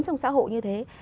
trong xã hội như thế